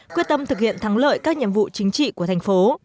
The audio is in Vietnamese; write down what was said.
quyết tâm thực hiện thắng lợi các nhiệm vụ chính trị của thành phố